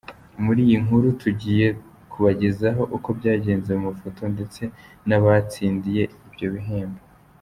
Muri iyi nkuru tugiye kubagezaho uko byagenze mu mafoto ndetse n’abatsindiye ibyo bihembo.